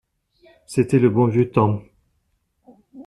C'était le bon vieux temps!